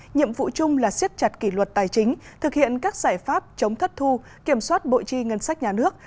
nhiệm vụ chung là siết chặt kỷ luật tài chính thực hiện các giải pháp chống thất thu kiểm soát bộ chi ngân sách nhà nước